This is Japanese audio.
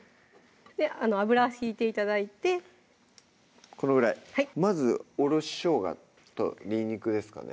油ひいて頂いてこのぐらいまずおろししょうがとにんにくですかね